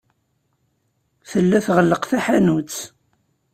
Tella tɣelleq taḥanut.